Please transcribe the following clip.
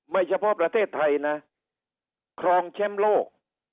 เฉพาะประเทศไทยนะครองแชมป์โลก